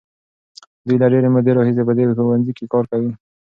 دوی له ډېرې مودې راهیسې په دې ښوونځي کې کار کوي.